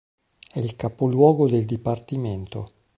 È il capoluogo del dipartimento.